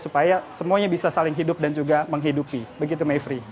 supaya semuanya bisa saling hidup dan juga menghidupi begitu mayfrey